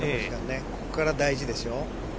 ここからが大事ですよ。